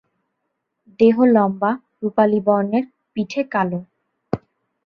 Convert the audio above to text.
দেহ লম্বা, রুপালি বর্ণের, পিঠে কালো।